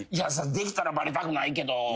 できたらバレたくないけど。